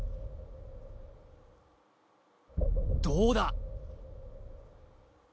どうだ？